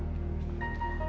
tentang apa yang terjadi